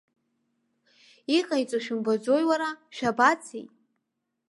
Иҟаиҵо шәымбаӡои уара, шәабацеи?